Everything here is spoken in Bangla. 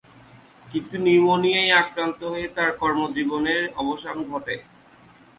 কিন্তু নিউমোনিয়ায় আক্রান্ত হয়ে তার কর্মজীবনের অবসান ঘটে।